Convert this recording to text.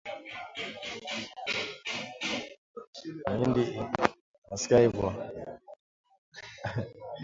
Miindi inaoza yote mumashamba